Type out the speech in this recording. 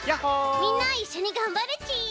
みんないっしょにがんばるち！